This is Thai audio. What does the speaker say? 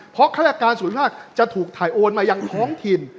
เพราะฆาตการส่วนภาคจะถูกถ่ายโอนมายังท้องถิ่น